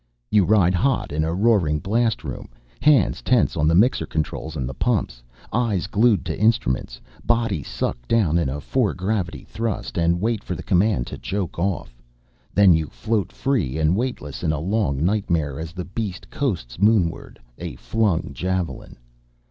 You ride hot in a roaring blastroom, hands tense on the mixer controls and the pumps, eyes glued to instruments, body sucked down in a four gravity thrust, and wait for the command to choke it off. Then you float free and weightless in a long nightmare as the beast coasts moonward, a flung javelin.